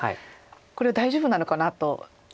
これは大丈夫なのかなと。